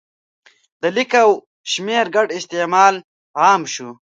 د لیک او شمېر ګډ استعمال عام شو.